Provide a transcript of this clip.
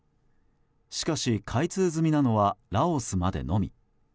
しかし、開通済みなのはラオスまでのみ。